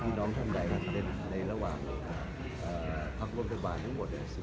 นี่น้องบ้านใดถ้าเสร็จในระหว่างพักโรงบาลทั้งหมด